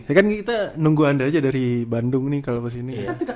ya kan kita nunggu anda aja dari bandung nih kalau kesini